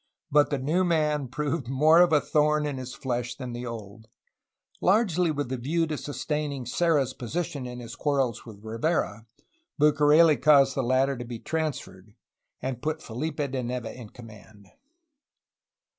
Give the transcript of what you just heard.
But the new man proved more of a thorn in his flesh than the old. Largely with a view to sustaining Serra's position in his quarrels with Rivera, BucareU caused the latter to be transferred, and put Fehpe de Neve in command.